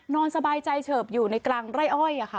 นอนสบายใจเฉิบอยู่ในกลางไร่อ้อยค่ะ